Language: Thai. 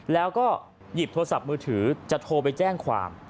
แล้วก็หยิบโทรศัพท์มือถือจะโทรไปแจ้งความ